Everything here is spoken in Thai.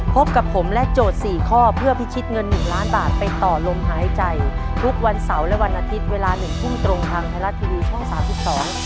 พบกับผมและโจทย์๔ข้อเพื่อพิชิตเงิน๑ล้านบาทไปต่อลงหายใจทุกวันเสาร์และวันอาทิตย์เวลา๑ทุ่มตรงทางไทยรัฐทีวีช่อง๓๒